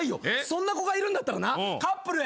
そんな子がいるんだったらなカップルＡ